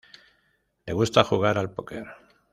Le gusta jugar al póquer.